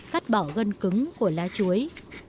cắt bỏ gân cứng của lá chuối